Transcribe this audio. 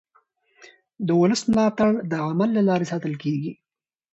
د ولس ملاتړ د عمل له لارې ساتل کېږي